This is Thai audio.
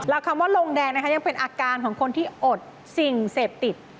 แล้วคำว่าลงแดงนะคะยังเป็นอาการของคนที่อดสิ่งเสพติด